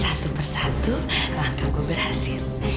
satu persatu langkah gue berhasil